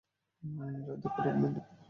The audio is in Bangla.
যা দেখে রোগ নির্ণয় করা হয়।